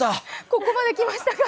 ここまで来ましたか。